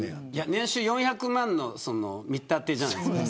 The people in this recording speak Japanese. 年収４００万の見立てじゃないですか。